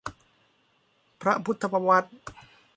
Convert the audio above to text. พระพุทธประวัติ